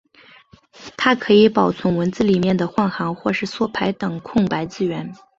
它可以保存文字里面的换行或是缩排等空白字元。